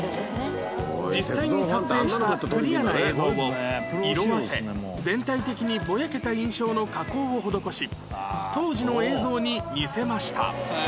実際に撮影したクリアな映像を色あせ全体的にぼやけた印象の加工を施し当時の映像に似せました